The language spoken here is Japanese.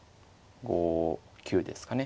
５九ですかね。